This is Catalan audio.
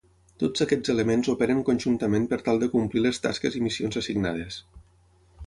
Tots aquests elements operen conjuntament per tal de complir les tasques i missions assignades.